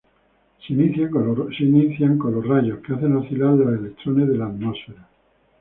Se inician con los rayos, que hacen oscilar los electrones de la atmósfera.